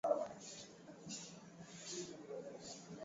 jina langu ni pendo pondo